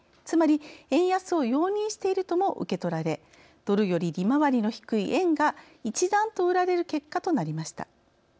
つまり円安を容認しているとも受け取られドルより利回りの低い円が一段と売られる結果となりました。